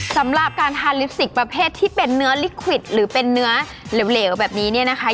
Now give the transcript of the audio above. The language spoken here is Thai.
สำหรับการทานลิปสิกประเภทที่เป็นเนื้อลิขวิตหรือเป็นเนื้อเหลวแบบนี้เนี่ยนะคะ